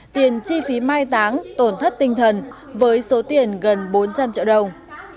tiền chi phí mai táng tổn thất tinh thần với số tiền gần bốn trăm linh triệu đồng